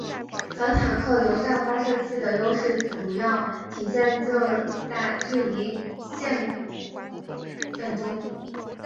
反坦克榴弹发射器的优势主要体现在近距离巷战中。